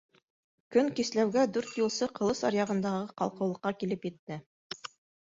Көн кисләүгә, дүрт юлсы Ҡылыс аръяғындағы ҡалҡыулыҡҡа килеп етте.